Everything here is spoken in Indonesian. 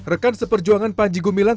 rekan seperjuangan panji gumilang